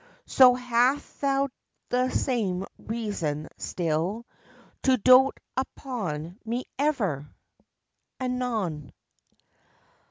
So hast thou the same reason still To dote upon me ever! Anon.